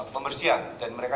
pembersihan dan mereka